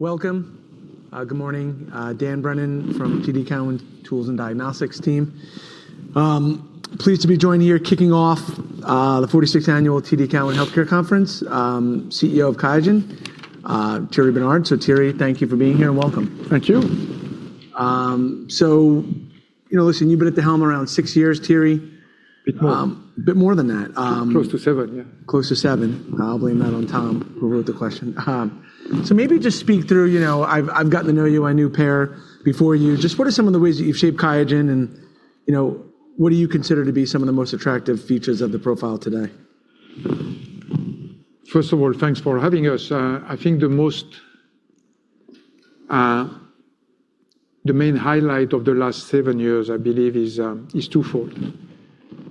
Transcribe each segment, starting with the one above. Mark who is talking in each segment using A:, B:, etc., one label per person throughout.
A: Welcome. Good morning, Dan Brennan from TD Cowen Tools and Diagnostics team. Pleased to be joined here, kicking off, the 46th annual TD Cowen Healthcare Conference, CEO of QIAGEN, Thierry Bernard. Thierry, thank you for being here, and welcome.
B: Thank you.
A: You know, listen, you've been at the helm around six years, Thierry.
B: Bit more.
A: A bit more than that.
B: Close to seven, yeah.
A: Close to seven. I'll blame that on Tom, who wrote the question. Maybe just speak through, you know. I've gotten to know you. I knew Peer before you. Just what are some of the ways that you've shaped QIAGEN and, you know, what do you consider to be some of the most attractive features of the profile today?
B: First of all, thanks for having us. I think the main highlight of the last 7 years, I believe, is twofold.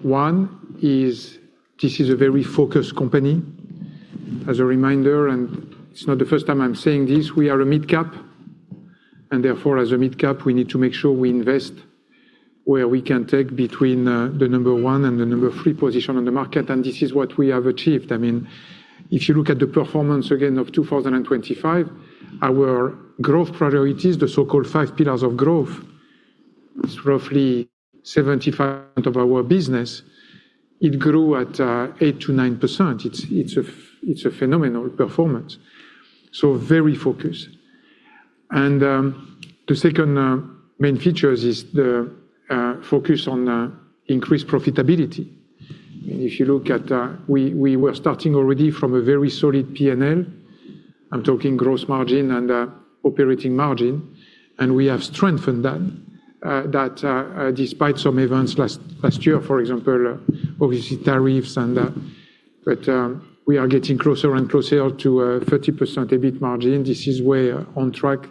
B: One is this is a very focused company. As a reminder, it's not the first time I'm saying this, we are a midcap, therefore, as a midcap, we need to make sure we invest where we can take between the number one and the number three position on the market, this is what we have achieved. I mean, if you look at the performance again of 2025, our growth priorities, the so-called five pillars of growth, it's roughly 75% of our business, it grew at 8%-9%. It's a phenomenal performance, very focused. The second main features is the focus on increased profitability. I mean, if you look at, we were starting already from a very solid PNL. I'm talking gross margin and operating margin, we have strengthened that despite some events last year, for example, obviously tariffs. We are getting closer and closer to a 30% EBIT margin. This is way on track,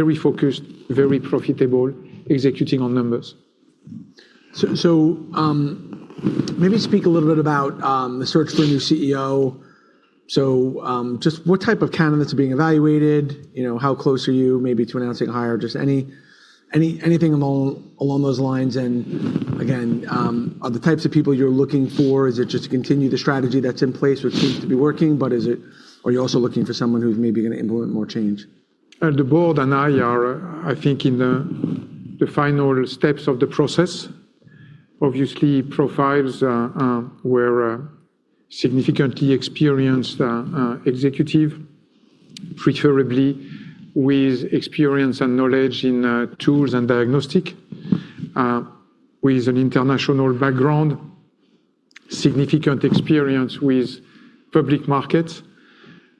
B: very focused, very profitable, executing on numbers.
A: Maybe speak a little bit about, the search for a new CEO. Just what type of candidates are being evaluated? You know, how close are you maybe to announcing a hire? Just anything along those lines and, again, are the types of people you're looking for, is it just to continue the strategy that's in place, which seems to be working, but are you also looking for someone who's maybe going to implement more change?
B: The board and I are, I think, in the final steps of the process. Obviously, profiles were significantly experienced executive, preferably with experience and knowledge in tools and diagnostics with an international background, significant experience with public markets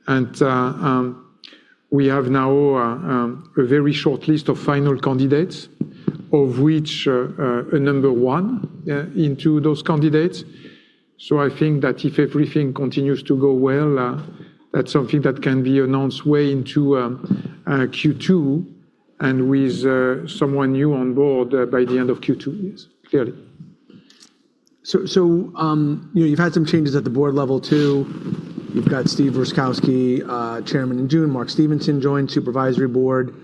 B: and we have now a very short list of final candidates, of which a number 1 into those candidates. I think that if everything continues to go well, that's something that can be announced way into Q2 and with someone new on board by the end of Q2. Yes, clearly.
A: You know, you've had some changes at the board level too. You've got Steve Rutkowski, Chairman in June. Mark Stevenson joined Supervisory Board.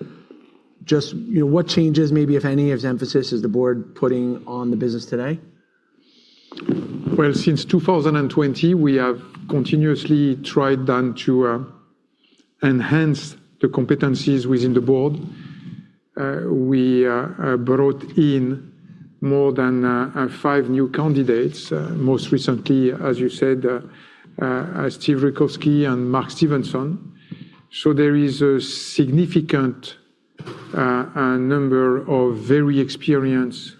A: Just, you know, what changes, maybe if any, of emphasis is the board putting on the business today?
B: Since 2020, we have continuously tried then to enhance the competencies within the board. We brought in more than five new candidates, most recently, as you said, Stephen H. Rusckowski and Mark Stevenson. There is a significant number of very experienced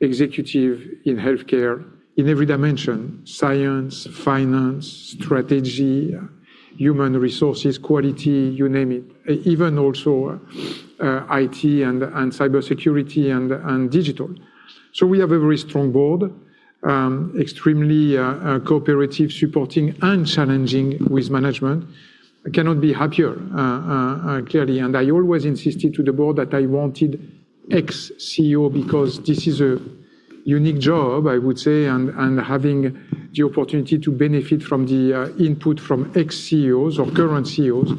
B: executive in healthcare in every dimension, science, finance, strategy, human resources, quality, you name it. Even also, IT and cybersecurity and digital. We have a very strong board, extremely cooperative, supporting and challenging with management. I cannot be happier, clearly, and I always insisted to the board that I wanted ex-CEO because this is a unique job, I would say, and having the opportunity to benefit from the input from ex-CEOs or current CEOs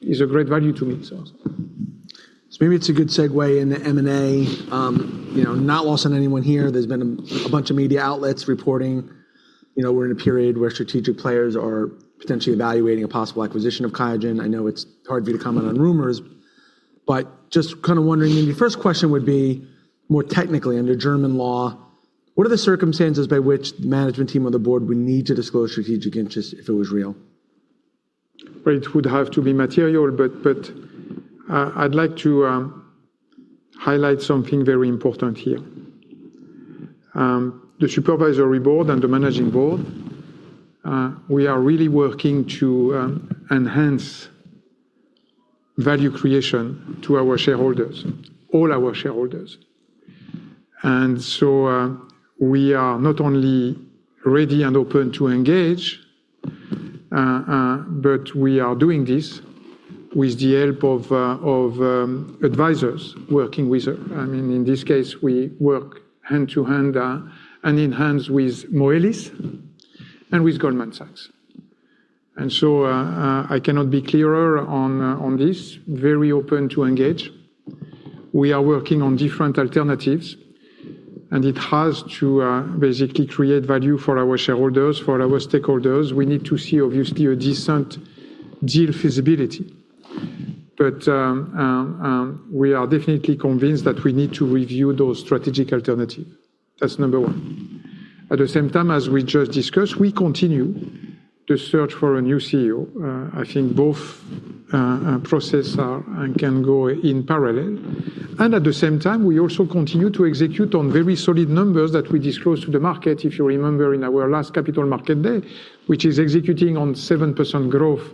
B: is a great value to me.
A: Maybe it's a good segue into M&A. You know, not lost on anyone here, there's been a bunch of media outlets reporting, you know, we're in a period where strategic players are potentially evaluating a possible acquisition of QIAGEN. I know it's hard for you to comment on rumors, but just kinda wondering. I mean, the first question would be, more technically, under German law, what are the circumstances by which management team or the board would need to disclose strategic interest if it was real?
B: Well, it would have to be material, but I'd like to highlight something very important here. The supervisory board and the managing board, we are really working to enhance value creation to our shareholders, all our shareholders. We are not only ready and open to engage, but we are doing this with the help of advisors working with... I mean, in this case, we work hand to hand and in hands with Moelis and with Goldman Sachs. I cannot be clearer on this. Very open to engage. We are working on different alternatives, and it has to basically create value for our shareholders, for our stakeholders. We need to see obviously a decent deal feasibility. We are definitely convinced that we need to review those strategic alternatives. That's number one. At the same time, as we just discussed, we continue to search for a new CEO. I think both process are can go in parallel. At the same time, we also continue to execute on very solid numbers that we disclose to the market, if you remember in our last Capital Markets Day, which is executing on 7% growth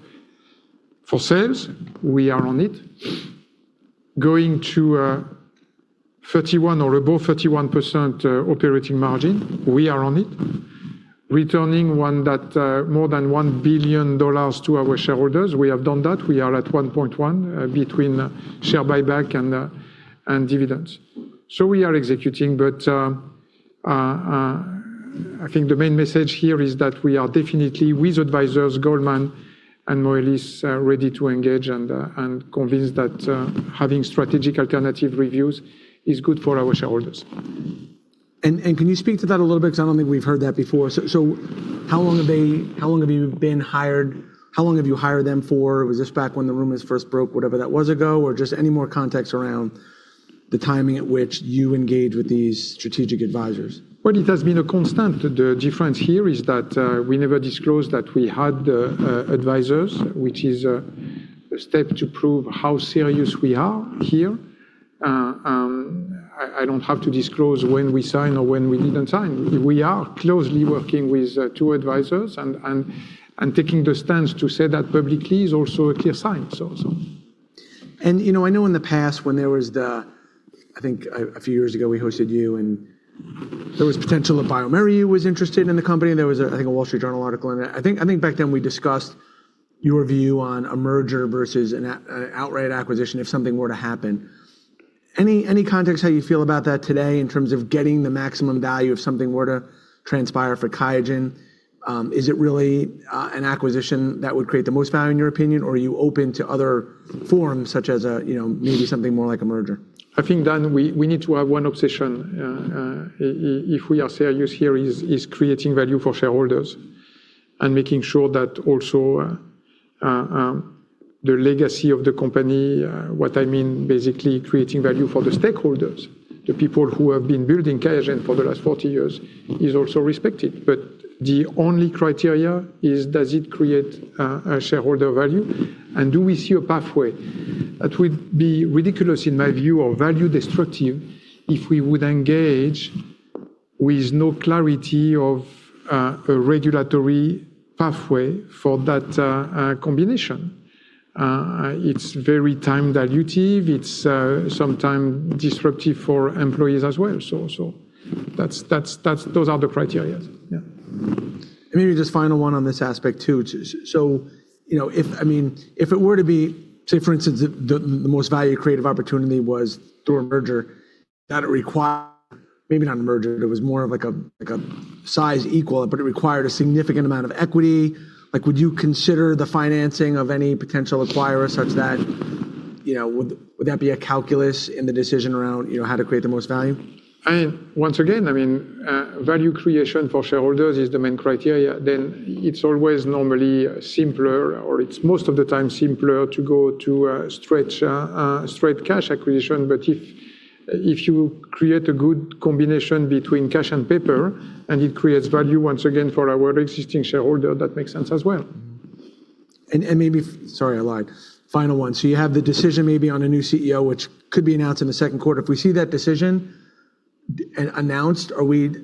B: for sales. We are on it. Going to 31% or above 31% operating margin. We are on it. Returning more than $1 billion to our shareholders. We have done that. We are at 1.1 between share buyback and dividends. We are executing, but, I think the main message here is that we are definitely with advisors, Goldman and Moelis, ready to engage and convinced that having strategic alternative reviews is good for our shareholders.
A: Can you speak to that a little bit? Because I don't think we've heard that before. How long have you hired them for? Was this back when the rumors first broke, whatever that was ago? Or just any more context around the timing at which you engage with these strategic advisors?
B: Well, it has been a constant. The difference here is that, we never disclosed that we had advisors, which is a step to prove how serious we are here. I don't have to disclose when we sign or when we didn't sign. We are closely working with two advisors and taking the stance to say that publicly is also a clear sign.
A: You know, I know in the past when there was I think a few years ago, we hosted you, and there was potential of bioMérieux was interested in the company. There was, I think, The Wall Street Journal article on that. I think back then we discussed your view on a merger versus an outright acquisition, if something were to happen. Any context how you feel about that today in terms of getting the maximum value if something were to transpire for QIAGEN? Is it really an acquisition that would create the most value in your opinion? Or are you open to other forms such as, you know, maybe something more like a merger?
B: I think, Dan, we need to have one obsession. If we are serious here is creating value for shareholders and making sure that also, the legacy of the company, what I mean, basically creating value for the stakeholders, the people who have been building QIAGEN for the last 40 years is also respected. The only criteria is does it create a shareholder value? Do we see a pathway? That would be ridiculous in my view or value destructive if we would engage with no clarity of a regulatory pathway for that combination. It's very time dilutive. It's sometime disruptive for employees as well. That's, that's those are the criteria.
A: Yeah. Maybe just final one on this aspect too. You know, if, I mean, if it were to be, say for instance, the most value creative opportunity was through a merger maybe not a merger, it was more of like a, like a size equal, but it required a significant amount of equity. Like, would you consider the financing of any potential acquirers such that, you know, would that be a calculus in the decision around, you know, how to create the most value?
B: I mean, once again, I mean, value creation for shareholders is the main criteria. It's always normally simpler or it's most of the time simpler to go to a stretch, straight cash acquisition. If you create a good combination between cash and paper and it creates value once again for our existing shareholder, that makes sense as well.
A: Maybe. Sorry, I lied. Final one. You have the decision maybe on a new CEO, which could be announced in the second quarter. If we see that decision announced,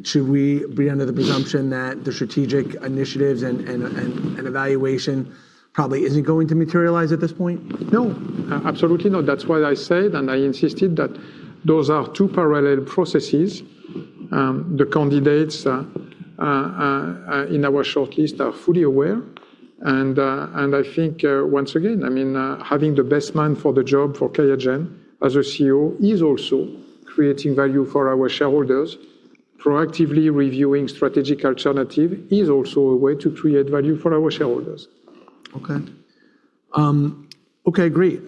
A: should we be under the presumption that the strategic initiatives and evaluation probably isn't going to materialize at this point?
B: No. Absolutely not. That's why I said, and I insisted that those are two parallel processes. The candidates, in our shortlist are fully aware. I think, once again, I mean, having the best man for the job for QIAGEN as a CEO is also creating value for our shareholders. Proactively reviewing strategic alternative is also a way to create value for our shareholders.
A: Okay. Okay, great.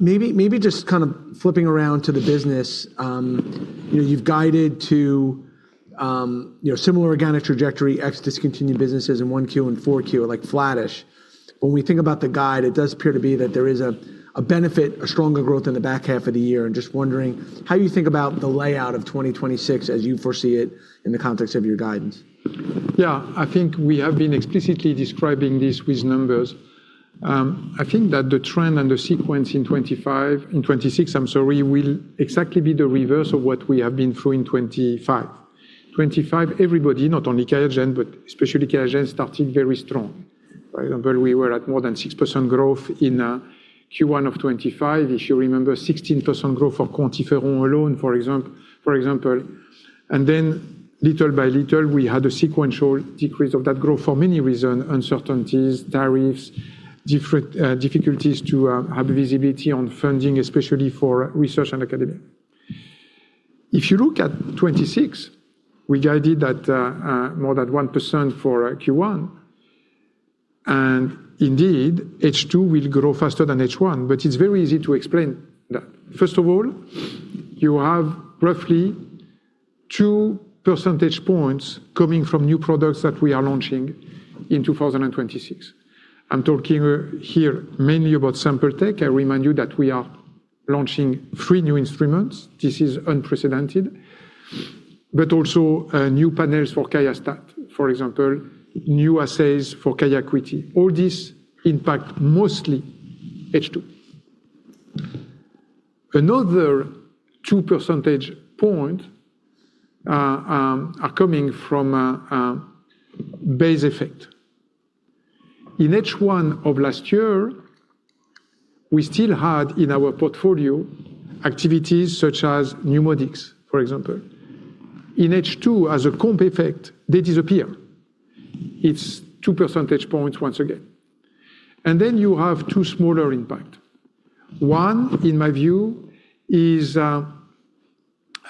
A: Maybe just kind of flipping around to the business. You know, you've guided to, you know, similar organic trajectory, ex discontinued businesses in 1Q and 4Q are like flattish. When we think about the guide, it does appear to be that there is a benefit, a stronger growth in the back half of the year. I'm just wondering how you think about the layout of 2026 as you foresee it in the context of your guidance.
B: Yeah. I think we have been explicitly describing this with numbers. I think that the trend and the sequence in 2026, I'm sorry, will exactly be the reverse of what we have been through in 2025. 2025, everybody, not only QIAGEN, but especially QIAGEN, started very strong. For example, we were at more than 6% growth in Q1 of 2025. If you remember, 16% growth for QuantiFERON alone, for example. Little by little, we had a sequential decrease of that growth for many reason, uncertainties, tariffs, different difficulties to have visibility on funding, especially for research and academic. If you look at 2026, we guided that more than 1% for Q1. Indeed, H2 will grow faster than H1, but it's very easy to explain that. You have roughly 2 percentage points coming from new products that we are launching in 2026. I'm talking here mainly about Sample technologies. I remind you that we are launching 3 new instruments. This is unprecedented. New panels for QIAstat, for example, new assays for QIAcuity. All this impact mostly H2. Another 2 percentage point are coming from base effect. In H1 of last year, we still had in our portfolio activities such as NeuMoDx, for example. In H2, as a comp effect, they disappear. It's 2 percentage points once again. You have 2 smaller impact. One, in my view, is on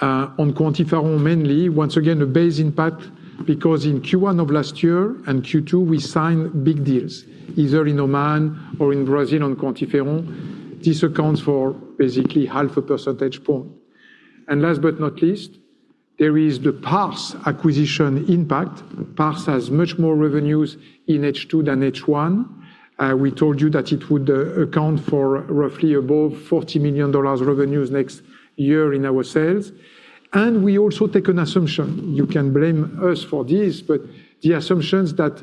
B: QuantiFERON mainly. Once again, a base impact because in Q1 of last year and Q2, we signed big deals, either in Oman or in Brazil on QuantiFERON. This accounts for basically half a percentage point. Last but not least, there is the Parse acquisition impact. Parse has much more revenues in H2 than H1. We told you that it would account for roughly above $40 million revenues next year in our sales. We also take an assumption. You can blame us for this, the assumption is that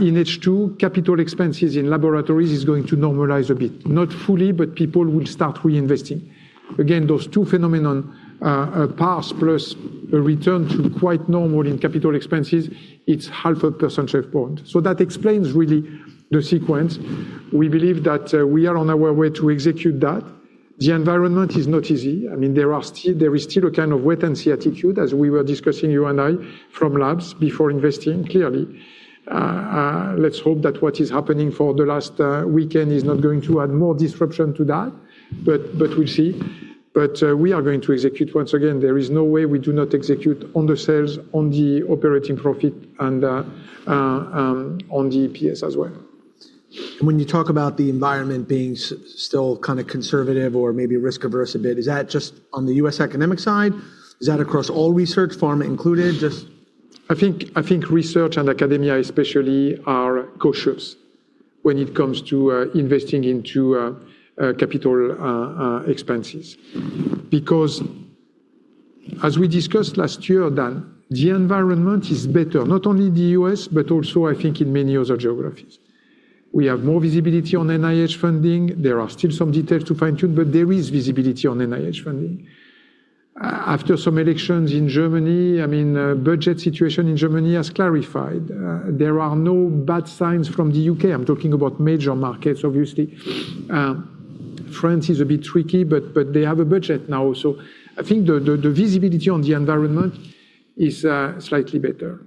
B: in H2, CapEx in laboratories is going to normalize a bit. Not fully, people will start reinvesting. Those two phenomenon, Parse plus a return to quite normal in CapEx, it's half a percentage point. That explains really the sequence. We believe that we are on our way to execute that. The environment is not easy. I mean, there is still a kind of wait-and-see attitude as we were discussing, you and I, from labs before investing, clearly. Let's hope that what is happening for the last weekend is not going to add more disruption to that, but we'll see. We are going to execute. Once again, there is no way we do not execute on the sales, on the operating profit, and on the EPS as well.
A: When you talk about the environment being still kind of conservative or maybe risk-averse a bit, is that just on the U.S. academic side? Is that across all research, pharma included?
B: I think research and academia especially are cautious when it comes to investing into capital expenses. As we discussed last year, Dan, the environment is better, not only the U.S., but also I mean in many other geographies. We have more visibility on NIH funding. There are still some details to fine-tune, but there is visibility on NIH funding. After some elections in Germany, I mean, budget situation in Germany has clarified. There are no bad signs from the U.K. I'm talking about major markets, obviously. France is a bit tricky, but they have a budget now. I think the visibility on the environment is slightly better.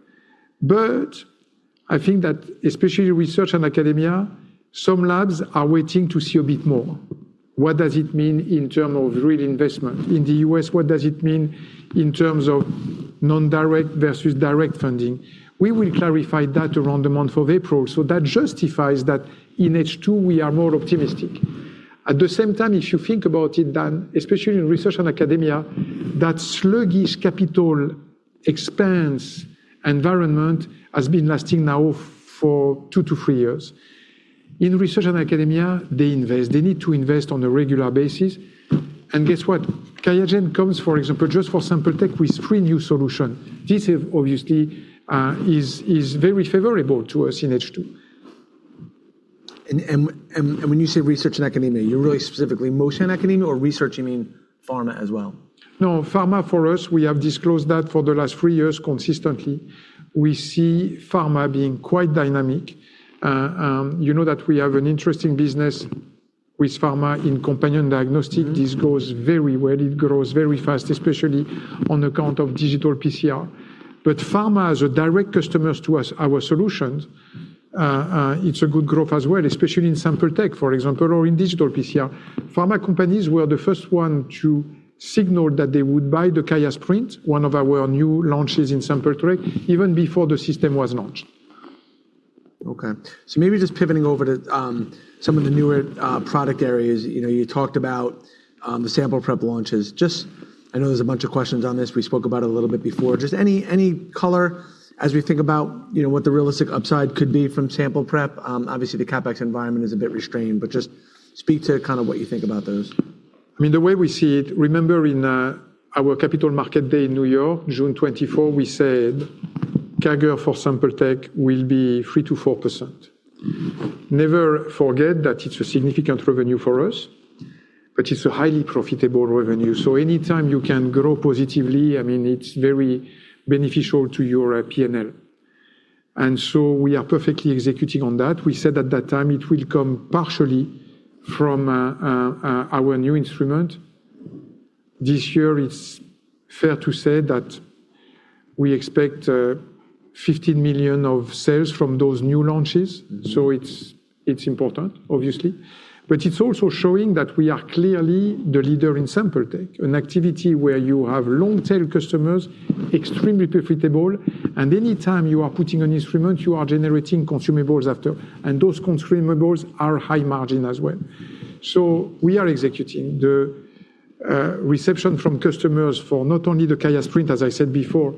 B: I think that especially research and academia, some labs are waiting to see a bit more. What does it mean in term of real investment? In the U.S., what does it mean in terms of non-direct versus direct funding? We will clarify that around the month of April. That justifies that in H2 we are more optimistic. At the same time, if you think about it, Dan, especially in research and academia, that sluggish capital expense environment has been lasting now for 2-3 years. In research and academia, they invest. They need to invest on a regular basis. Guess what? QIAGEN comes, for example, just for Sample technologies with 3 new solution. This obviously is very favorable to us in H2.
A: When you say research and academia, you really specifically motion academia or research you mean pharma as well?
B: No. Pharma for us, we have disclosed that for the last three years consistently. We see pharma being quite dynamic. You know that we have an interesting business with pharma in companion diagnostic.
A: Mm-hmm.
B: This grows very well. It grows very fast, especially on account of digital PCR. Pharma as a direct customers to us, our solutions, it's a good growth as well, especially in Sample Tech, for example, or in digital PCR. Pharma companies were the first one to signal that they would buy the QIAsprint, one of our new launches in Sample Tech, even before the system was launched.
A: Okay. Maybe just pivoting over to some of the newer product areas. You know, you talked about the sample prep launches. I know there's a bunch of questions on this. We spoke about it a little bit before. Just any color as we think about, you know, what the realistic upside could be from sample prep. Obviously, the CapEx environment is a bit restrained, but just speak to kinda what you think about those.
B: I mean, the way we see it, remember in our Capital Markets Day in New York, June 24, we said CAGR for Sample technologies will be 3%-4%. Never forget that it's a significant revenue for us, but it's a highly profitable revenue. Any time you can grow positively, I mean, it's very beneficial to your P&L. We are perfectly executing on that. We said at that time it will come partially from our new instrument. This year, it's fair to say that we expect $15 million of sales from those new launches. It's important, obviously. It's also showing that we are clearly the leader in sample tech, an activity where you have long-tail customers, extremely profitable, and any time you are putting an instrument, you are generating consumables after. Those consumables are high margin as well. We are executing. The reception from customers for not only the QIAsprint, as I said before,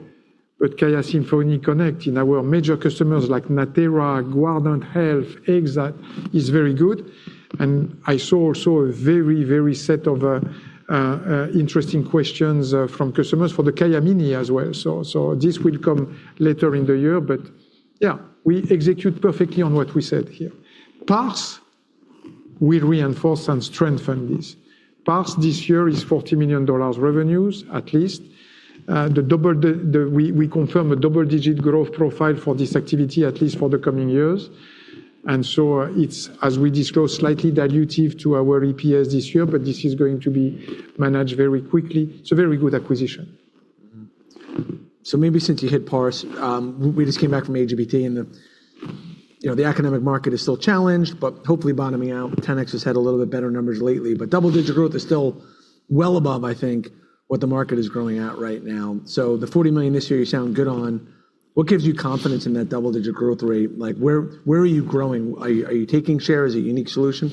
B: but QIAsymphony Connect in our major customers like Natera, Guardant Health, Exact is very good. I saw a very interesting set of questions from customers for the QIAmini as well. This will come later in the year, but we execute perfectly on what we said here. Parse will reinforce and strengthen this. Parse this year is $40 million revenues, at least. We confirm a double-digit growth profile for this activity, at least for the coming years. It's, as we disclose, slightly dilutive to our EPS this year. This is going to be managed very quickly. It's a very good acquisition.
A: Maybe since you hit Parse, we just came back from HBT and the, you know, the economic market is still challenged, but hopefully bottoming out. 10x has had a little bit better numbers lately, but double-digit growth is still well above, I think, what the market is growing at right now. The $40 million this year, you sound good on. What gives you confidence in that double-digit growth rate? Like, where are you growing? Are, are you taking share? Is it unique solution?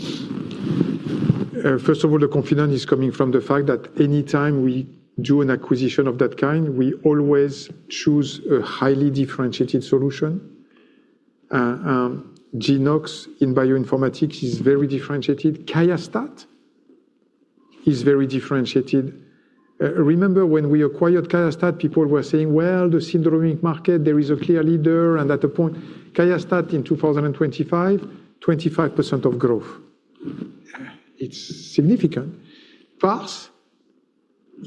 B: First of all, the confidence is coming from the fact that anytime we do an acquisition of that kind, we always choose a highly differentiated solution. Genoox in bioinformatics is very differentiated. QIAstat is very differentiated. Remember when we acquired QIAstat, people were saying, "Well, the syndromic market, there is a clear leader." At a point, QIAstat in 2025, 25% of growth. It's significant. Parse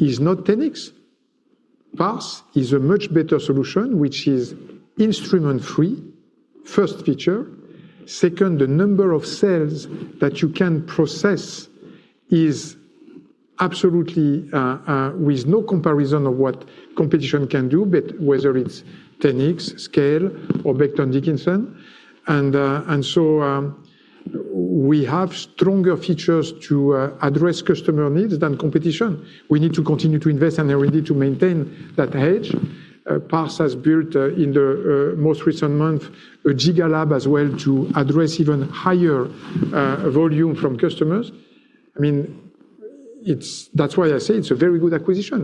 B: is not 10x. Parse is a much better solution, which is instrument-free, first feature. Second, the number of cells that you can process is absolutely with no comparison of what competition can do, but whether it's 10x, Scale or Becton Dickinson. We have stronger features to address customer needs than competition. We need to continue to invest and are ready to maintain that edge. Pars has built in the most recent month a GigaLab as well to address even higher volume from customers. I mean, that's why I say it's a very good acquisition.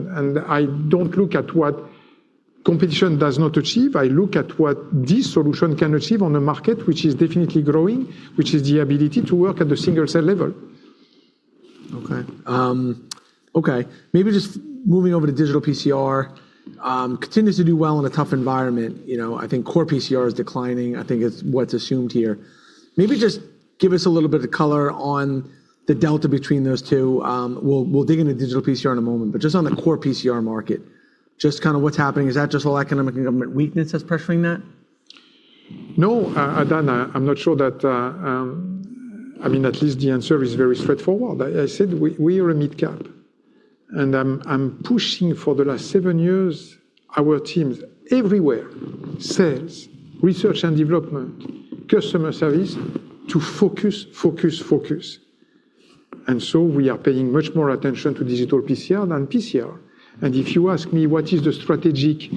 B: I don't look at what competition does not achieve. I look at what this solution can achieve on a market which is definitely growing, which is the ability to work at the single cell level.
A: Okay. Okay. Maybe just moving over to digital PCR, continues to do well in a tough environment. You know, I think core PCR is declining. I think it's what's assumed here. Maybe just give us a little bit of color on the delta between those two. We'll dig into digital PCR in a moment, but just on the core PCR market, just kinda what's happening. Is that just all economic and government weakness that's pressuring that?
B: No, Dan, I'm not sure that. I mean, at least the answer is very straightforward. I said we are a midcap, and I'm pushing for the last 7 years our teams everywhere, sales, research and development, customer service, to focus, focus. We are paying much more attention to digital PCR than PCR. If you ask me, what is the strategic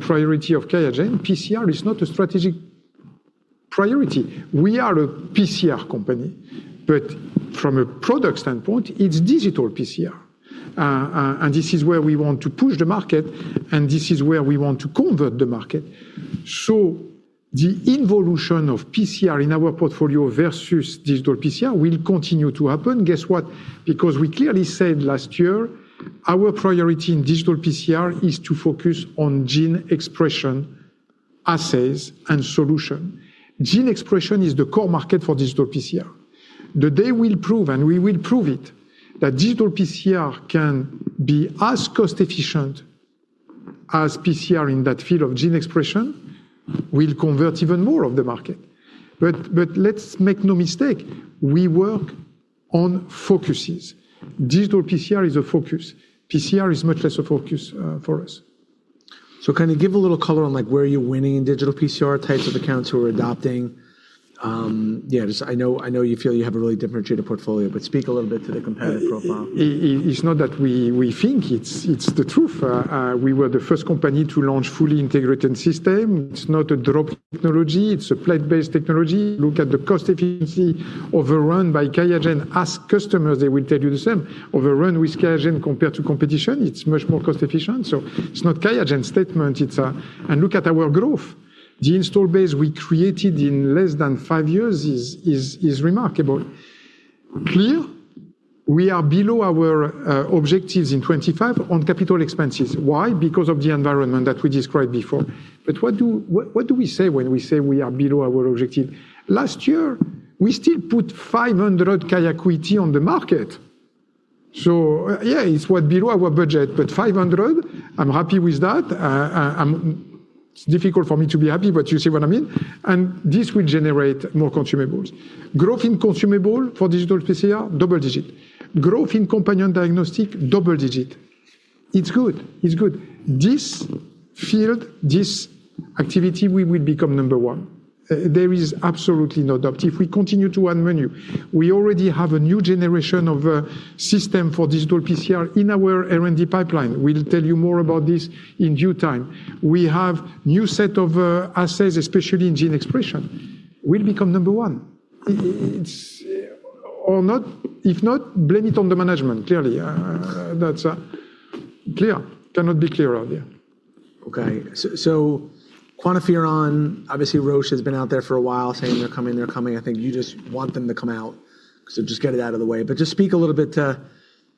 B: priority of QIAGEN? PCR is not a strategic priority. We are a PCR company, but from a product standpoint, it's digital PCR. And this is where we want to push the market, and this is where we want to convert the market. The involution of PCR in our portfolio versus digital PCR will continue to happen. Guess what? We clearly said last year, our priority in digital PCR is to focus on gene expression, assays, and solution. Gene expression is the core market for digital PCR. The day we'll prove, and we will prove it, that digital PCR can be as cost efficient as PCR in that field of gene expression, we'll convert even more of the market. Let's make no mistake, we work on focuses. Digital PCR is a focus. PCR is much less a focus for us.
A: Kind of give a little color on like where are you winning in digital PCR types of accounts who are adopting? Yeah, just I know, I know you feel you have a really differentiated portfolio, but speak a little bit to the competitive profile.
B: It's not that we think. It's the truth. We were the first company to launch fully integrated system. It's not a drop technology. It's a plate-based technology. Look at the cost efficiency of the run by QIAGEN. Ask customers, they will tell you the same. Of the run with QIAGEN compared to competition, it's much more cost efficient. It's not QIAGEN statement. It's. Look at our growth. The install base we created in less than five years is remarkable. Clear, we are below our objectives in 25 on capital expenses. Why? Because of the environment that we described before. What do we say when we say we are below our objective? Last year, we still put 500 QIAcuity on the market. Yeah, it's what? Below our budget, $500, I'm happy with that. It's difficult for me to be happy, you see what I mean? This will generate more consumables. Growth in consumable for digital PCR, double digit. Growth in companion diagnostic, double digit. It's good. It's good. This field, this activity, we will become number one. There is absolutely no doubt. If we continue to add menu, we already have a new generation of system for digital PCR in our R&D pipeline. We'll tell you more about this in due time. We have new set of assays, especially in gene expression. We'll become number one. It's or not, if not, blame it on the management, clearly. That's clear. Cannot be clearer out there.
A: QuantiFERON, obviously, Roche has been out there for a while saying they're coming, they're coming. I think you just want them to come out, so just get it out of the way. Just speak a little bit to,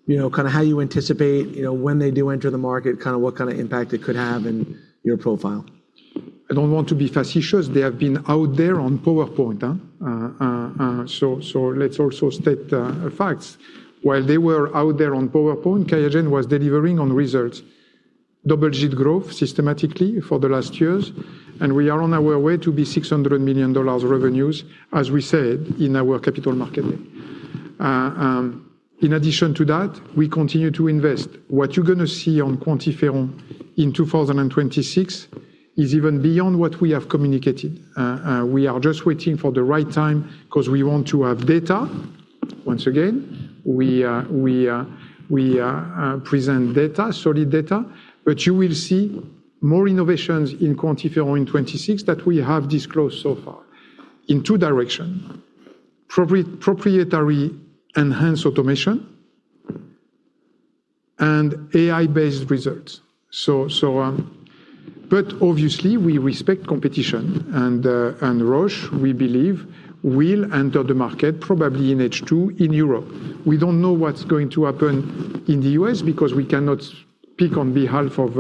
A: you know, kinda how you anticipate, you know, when they do enter the market, kinda what kinda impact it could have in your profile.
B: I don't want to be facetious. They have been out there on PowerPoint, huh? Let's also state facts. While they were out there on PowerPoint, QIAGEN was delivering on results. Double-digit growth systematically for the last years, we are on our way to be $600 million revenues, as we said in our capital market. In addition to that, we continue to invest. What you're going to see on QuantiFERON in 2026 is even beyond what we have communicated. We are just waiting for the right time 'cause we want to have data. Once again, we present data, solid data, you will see more innovations in QuantiFERON 26 that we have disclosed so far in two direction. Proprietary enhanced automation and AI-based results. But obviously, we respect competition and Roche, we believe, will enter the market probably in H2 in Europe. We don't know what's going to happen in the U.S. because we cannot speak on behalf of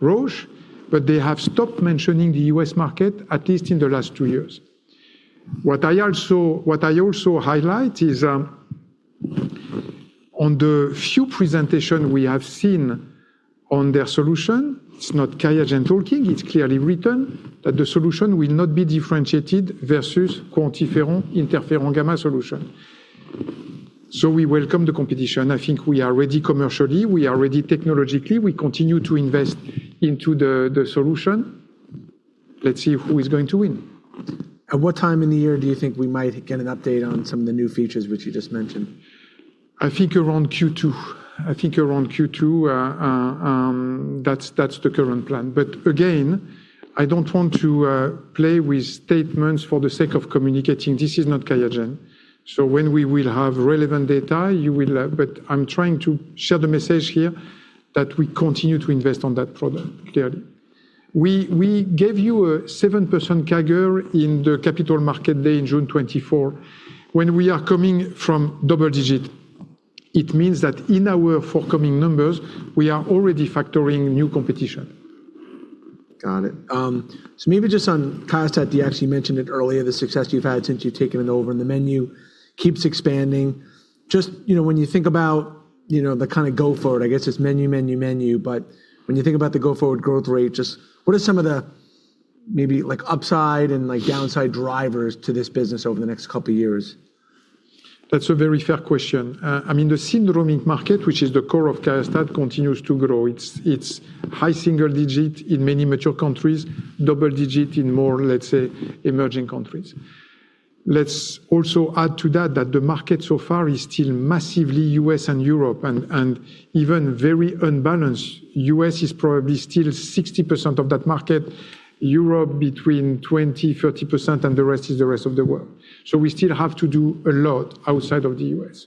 B: Roche, but they have stopped mentioning the U.S. market, at least in the last 2 years. What I also highlight is, on the few presentation we have seen on their solution, it's not QIAGEN talking, it's clearly written that the solution will not be differentiated versus QuantiFERON interferon gamma solution. We welcome the competition. I think we are ready commercially, we are ready technologically. We continue to invest into the solution. Let's see who is going to win.
A: At what time in the year do you think we might get an update on some of the new features which you just mentioned?
B: I think around Q2. That's the current plan. Again, I don't want to play with statements for the sake of communicating. This is not QIAGEN. When we will have relevant data, I'm trying to share the message here that we continue to invest on that product, clearly. We gave you a 7% CAGR in the Capital Markets Day in June 2024. When we are coming from double-digit, it means that in our forthcoming numbers, we are already factoring new competition.
A: Got it. Maybe just on QIAstat-Dx, you mentioned it earlier, the success you've had since you've taken it over, and the menu keeps expanding. Just, you know, when you think about, you know, the kinda go forward, I guess it's menu, menu, when you think about the go forward growth rate, just what are some of the maybe like upside and like downside drivers to this business over the next couple years?
B: That's a very fair question. I mean, the syndromic market, which is the core of QIAstat, continues to grow. It's high single digit in many mature countries, double digit in more, let's say, emerging countries. Let's also add to that the market so far is still massively U.S. and Europe and even very unbalanced. U.S. is probably still 60% of that market, Europe between 20%-30%, and the rest is the rest of the world. We still have to do a lot outside of the U.S.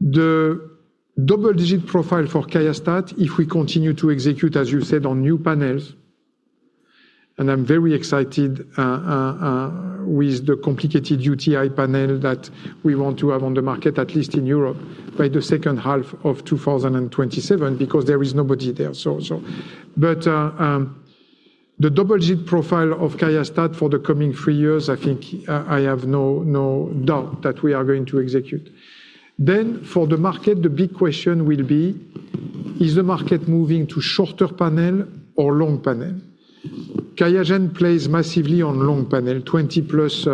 B: The double-digit profile for QIAstat, if we continue to execute, as you said, on new panels, and I'm very excited with the complicated UTI panel that we want to have on the market, at least in Europe, by the second half of 2027 because there is nobody there. The double-digit profile of QIAstat for the coming 3 years, I think, I have no doubt that we are going to execute. For the market, the big question will be: Is the market moving to shorter panel or long panel? QIAGEN plays massively on long panel, 20-plus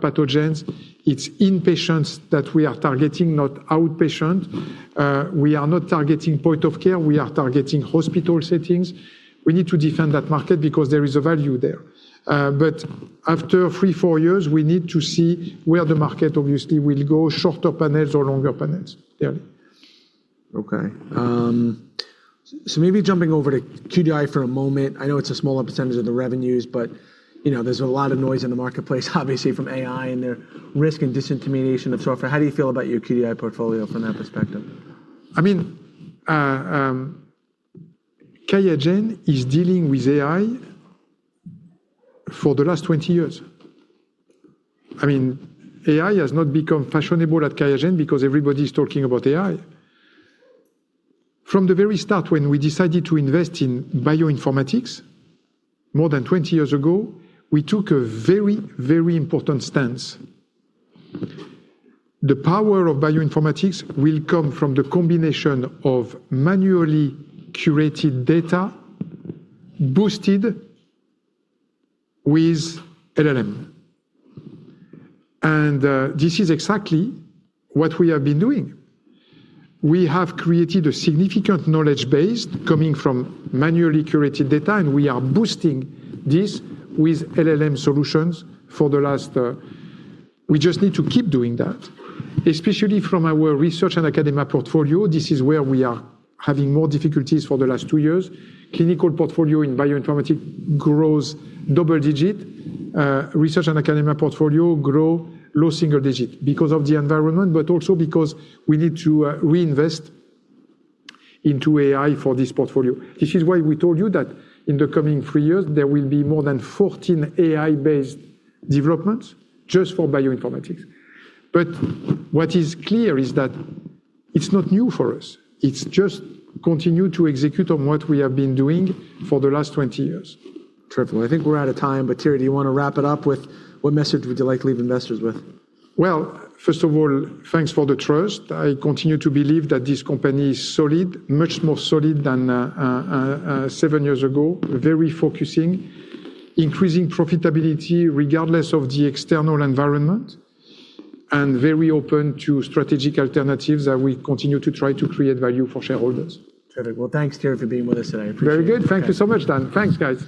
B: pathogens. It's in-patients that we are targeting, not out-patient. We are not targeting point of care. We are targeting hospital settings. We need to defend that market because there is a value there. After three, four years, we need to see where the market obviously will go, shorter panels or longer panels. Yeah.
A: Okay. Maybe jumping over to QDI for a moment. I know it's a smaller percentage of the revenues, but, you know, there's a lot of noise in the marketplace, obviously from AI and their risk and disintermediation of software. How do you feel about your QDI portfolio from that perspective?
B: I mean, QIAGEN is dealing with AI for the last 20 years. I mean, AI has not become fashionable at QIAGEN because everybody's talking about AI. From the very start, when we decided to invest in bioinformatics more than 20 years ago, we took a very, very important stance. The power of bioinformatics will come from the combination of manually curated data boosted with LLM. This is exactly what we have been doing. We have created a significant knowledge base coming from manually curated data, and we are boosting this with LLM solutions for the last. We just need to keep doing that, especially from our research and academia portfolio. This is where we are having more difficulties for the last 2 years. Clinical portfolio in bioinformatics grows double digit. Research and academia portfolio grow low single digit because of the environment, but also because we need to reinvest into AI for this portfolio. This is why we told you that in the coming 3 years, there will be more than 14 AI-based developments just for bioinformatics. What is clear is that it's not new for us. It's just continue to execute on what we have been doing for the last 20 years.
A: Terrific. I think we're out of time, but Thierry, do you want to wrap it up with what message would you like to leave investors with?
B: Well, first of all, thanks for the trust. I continue to believe that this company is solid, much more solid than, seven years ago. Very focusing, increasing profitability regardless of the external environment, and very open to strategic alternatives that will continue to try to create value for shareholders.
A: Terrific. Well, thanks, Thierry, for being with us today. I appreciate it.
B: Very good. Thank you so much, Dan. Thanks, guys.